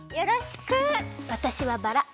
わたしはバラ。